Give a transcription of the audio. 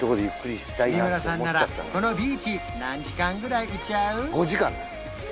三村さんならこのビーチ何時間ぐらいいちゃう？